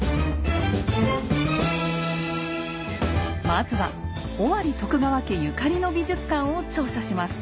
まずは尾張徳川家ゆかりの美術館を調査します。